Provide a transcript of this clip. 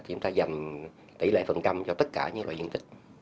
chúng ta giảm tỷ lệ phần trăm cho tất cả những loại diện tích